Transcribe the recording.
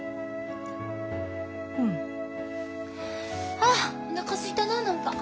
あおなかすいたな何か。